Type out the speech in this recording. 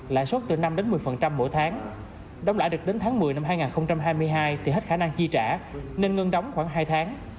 lãi suất từ năm một mươi mỗi tháng đóng lại được đến tháng một mươi năm hai nghìn hai mươi hai thì hết khả năng chi trả nên ngân đóng khoảng hai tháng